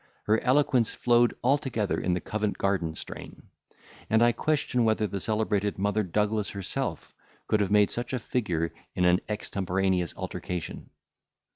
Her eloquence flowed altogether in the Covent Garden strain; and I question whether the celebrated Mother Douglas herself could have made such a figure in an extemporaneous altercation.